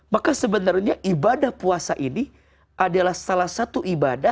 maka sebenarnya ibadah puasa ini adalah salah satu ibadah